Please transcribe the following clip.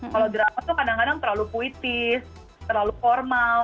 kalau drama itu kadang kadang terlalu puitis terlalu formal